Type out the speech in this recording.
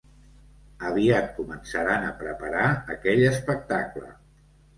Aviat començaran a preparar aquell espectacle.